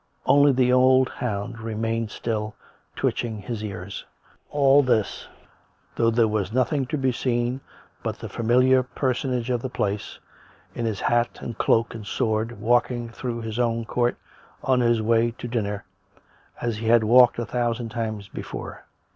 Only the old hound remained still, twitching his ears. All this — though there was nothing to be seen but the familiar personage of the place, in his hat and cloak and sword, walking through his own court on his way to dinner, as he had walked a thousand times before.